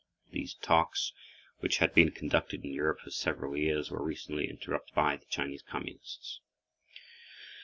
These talks, which had been conducted in Europe for several years, were recently interrupted by the Chinese Communists.